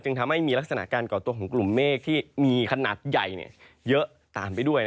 ทำให้มีลักษณะการก่อตัวของกลุ่มเมฆที่มีขนาดใหญ่เยอะตามไปด้วย